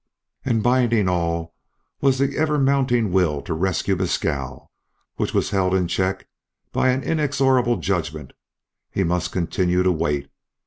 And binding all was the ever mounting will to rescue Mescal, which was held in check by an inexorable judgment; he must continue to wait.